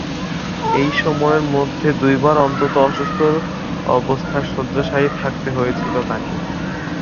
এই সময়ের মধ্যে দুইবার অত্যন্ত অসুস্থ অবস্থায় শয্যাশায়ী থাকতে হয়েছিল তাকে।